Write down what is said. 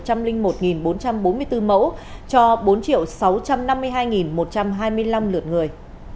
số lượng xét nghiệm từ ngày hai mươi chín tháng bốn cho đến nay là hai một trăm linh một bốn trăm bốn mươi bốn mẫu cho bốn sáu trăm năm mươi hai một trăm hai mươi năm lượt người